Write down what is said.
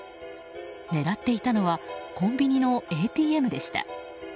狙っていたのはコンビニのＡＴＭでした。